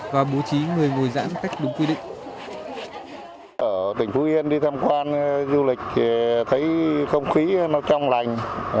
và bố trí người ngồi giãn cách đúng quy định